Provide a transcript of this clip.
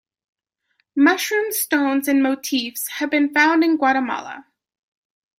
Mushroom stones and motifs have been found in Guatemala.